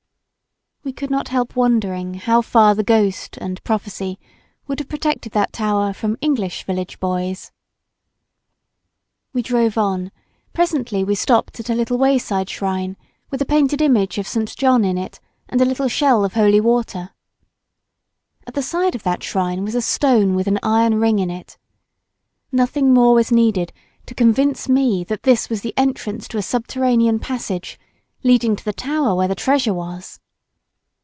We could not help wondering how far the ghost and prophecy would have protected that tower from English village boys. We drove on; presently we stopped at a little wayside shrine, with a painted image of St. John in it, and a little shell of holy water. At the side of that shrine was a stone with an iron ring in it. Nothing more was needed to convince me that this was the entrance to a subterranean passage, leading to the tower where the treasure was.